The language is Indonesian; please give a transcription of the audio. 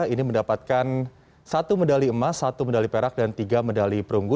ini mendapatkan satu medali emas satu medali perak dan tiga medali perunggu